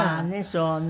そうね。